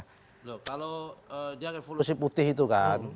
loh kalau dia revolusi putih itu kan